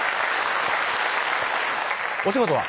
お仕事は？